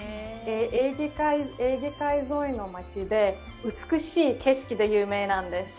エーゲ海沿いの街で、美しい景色で有名なんです。